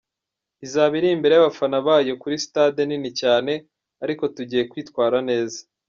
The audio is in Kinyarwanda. Izaba iri imbere y’abafana bayo, kuri stade nini cyane ariko tugiye kwitwara neza.